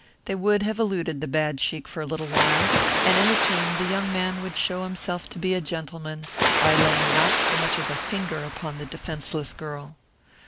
They would have eluded the bad sheik for a little while, and in the tomb the young man would show himself to be a gentleman by laying not so much as a finger upon the defenceless girl.